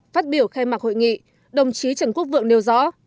phát biểu khai mạc hội nghị đồng chí trần quốc vượng nêu rõ